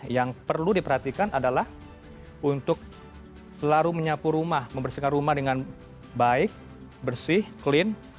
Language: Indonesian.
yang perlu diperhatikan adalah untuk selalu menyapu rumah membersihkan rumah dengan baik bersih clean